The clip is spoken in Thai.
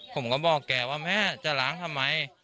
ผมก็บอกแกว่าแม่จะล้างทำไม